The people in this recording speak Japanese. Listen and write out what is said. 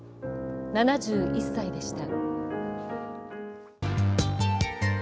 ７１歳でした。